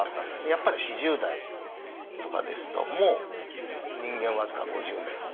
やっぱり４０代とかですともう人間僅か５０年って言ってる。